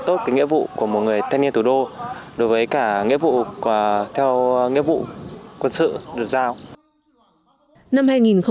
tốt nghĩa vụ của một người thanh niên thủ đô đối với cả nghĩa vụ theo nghĩa vụ quân sự được giao